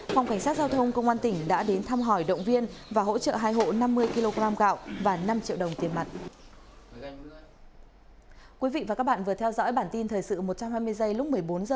phòng cảnh sát giao thông công an tỉnh đã đến thăm hỏi động viên và hỗ trợ hai hộ năm mươi kg gạo và năm triệu đồng tiền mặt